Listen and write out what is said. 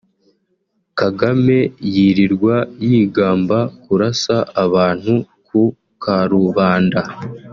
Kagame yirirwa yigamba kurasa abantu ku karubanda